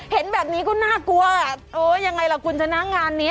เห็นแบบนี้ก็น่ากลัวเออยังไงล่ะคุณชนะงานนี้